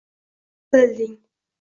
Bilding: